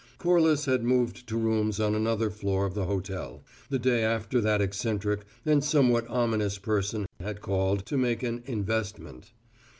Corliss had moved to rooms on another floor of the hotel, the day after that eccentric and somewhat ominous person had called to make an "investment."